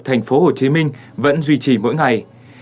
thành phố hồ chí minh vẫn duy trì mỗi ngày